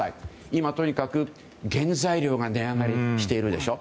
今、とにかく原材料が値上がりしているでしょ。